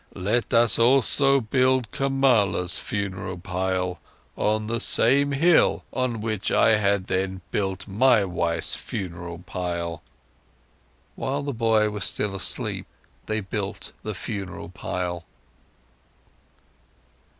Let us also build Kamala's funeral pile on the same hill on which I had then built my wife's funeral pile." While the boy was still asleep, they built the funeral pile.